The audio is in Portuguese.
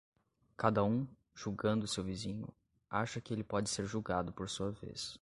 Cada um, julgando seu vizinho, acha que ele pode ser julgado por sua vez.